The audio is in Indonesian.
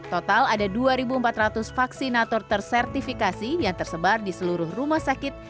total ada dua empat ratus vaksinator tersertifikasi yang tersebar di seluruh rumah sakit